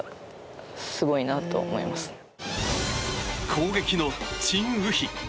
攻撃のチン・ウヒ。